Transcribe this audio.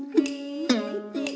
khi tìm lại mơ